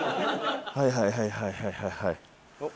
はいはいはいはいはいはいはい。